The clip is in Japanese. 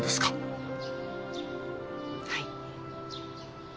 はい。